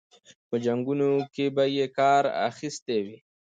په جنګونو کې به یې کار اخیستی وي.